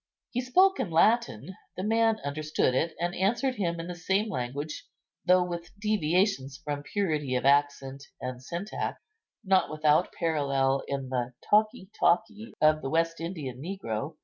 He spoke in Latin; the man understood it, and answered him in the same language, though with deviations from purity of accent and syntax, not without parallel in the talkee talkee of the West Indian negro.